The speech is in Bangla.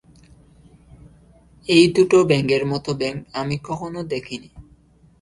এই দুটো ব্যাঙের মতো ব্যাঙ আমি কখনও দেখিনি।